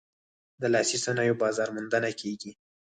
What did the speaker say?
د لاسي صنایعو بازار موندنه کیږي؟